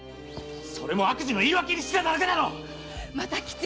それも悪事の言い訳にしてただけだろっ‼又吉！